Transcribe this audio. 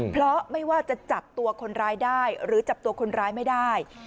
เพราะไม่ว่าจะจับตัวคนร้ายได้หรือจับตัวคนร้ายไม่ได้